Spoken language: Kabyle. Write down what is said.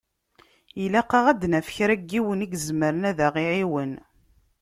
Ilaq-aɣ ad d-naf kra n yiwen i izemren ad ɣ-iɛawen.